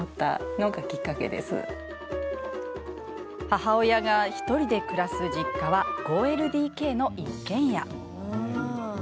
母親が１人で暮らす実家は５ＬＤＫの一軒家。